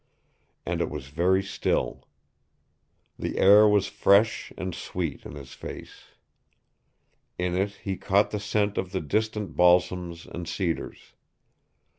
And it was very still. The air was fresh and sweet in his face. In it he caught the scent of the distant balsams and cedars.